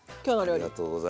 ありがとうございます。